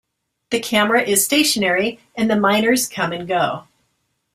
The camera is stationary and the miners come and go.